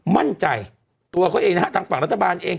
มั่นใจตัวเขาเองนะฮะทางฝั่งรัฐบาลเอง